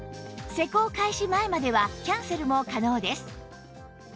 施工開始前まではキャンセルも可能です